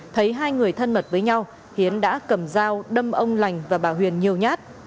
thấy hai người thân mật với nhau hiến đã cầm dao đâm ông lành và bà huyền nhiều nhát